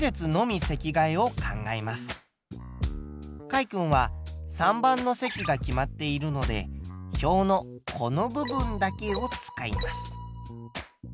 かいくんは３番の席が決まっているので表のこの部分だけを使います。